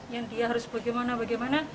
yang dia harus bagaimana bagaimana